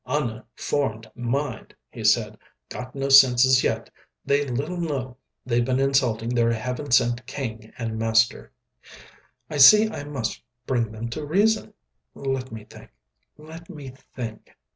"Unformed mind!" he said. "Got no senses yet! They little know they've been insulting their Heaven sent King and master ..... "I see I must bring them to reason. "Let me think. "Let me think."